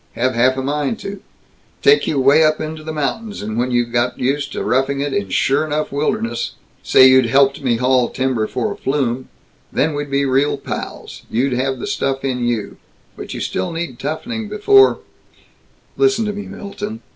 Have half a mind to. Take you way up into the mountains, and when you got used to roughing it in sure enough wilderness say you'd helped me haul timber for a flume then we'd be real pals. You have the stuff in you, but you still need toughening before " "Listen to me, Milton.